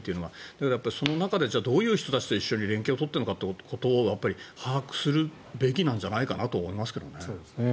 だけど、その中でどういう人たちと一緒に連携を取っているのかはやっぱり把握するべきなんじゃないかなと思いますけどね。